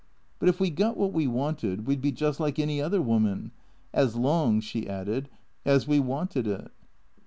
But if we got what we wanted we 'd be just like any other woman. As long," she added, " as we wanted it."